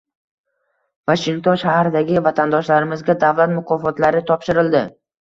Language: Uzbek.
Vashington shahridagi vatandoshlarimizga davlat mukofotlari topshirildi